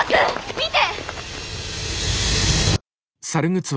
見て！